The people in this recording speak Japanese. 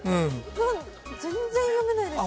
全然読めないですね。